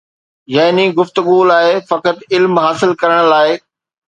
يعني گفتگوءَ لاءِ فقط علم حاصل ڪرڻ لاءِ